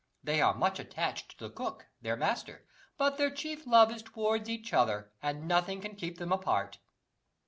They are much attached to the cook, their master; but their chief love is towards each other, and nothing can keep them apart."